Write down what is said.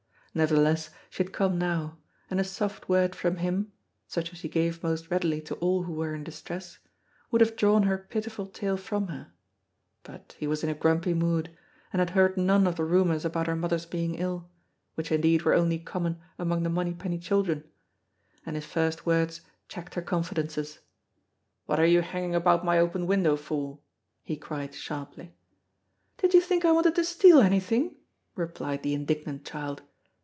Nevertheless she had come now, and a soft word from him, such as he gave most readily to all who were in distress, would have drawn her pitiful tale from her, but he was in a grumpy mood, and had heard none of the rumors about her mother's being ill, which indeed were only common among the Monypenny children, and his first words checked her confidences. "What are you hanging about my open window for?" he cried sharply. "Did you think I wanted to steal anything?" replied the indignant child.